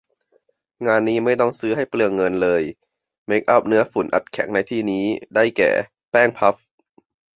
งานนี้ไม่ต้องซื้อให้เปลืองเงินเลย เมคอัพเนื้อฝุ่นอัดแข็งในที่นี้ ได้แก่ แป้งพัฟ